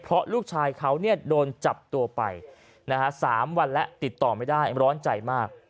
เพราะลูกชายเขาโดนจับตัวไป๓วันแล้วติดต่อไม่ได้ร้อนใจมาก